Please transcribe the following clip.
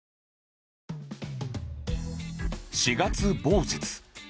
４月某日